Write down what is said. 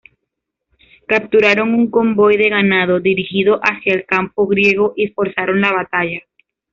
Capturaron un convoy de ganado dirigido hacia el campo griego y forzaron la batalla.